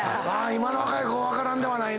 今の若い子分からんではないな。